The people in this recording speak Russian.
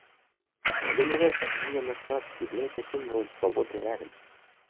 Организация Объединенных Наций является символом свободы и равенства.